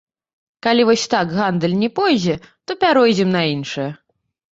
Калі вось так гандаль не пойдзе, то пяройдзем на іншае.